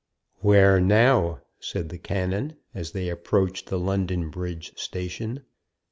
"Where now?" said the canon, as they approached the London Bridge station.